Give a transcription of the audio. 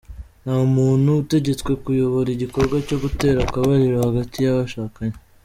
Nta muntu utegetswe kuyobora igikorwa cyo gutera akabariro hagati y’abashakanye.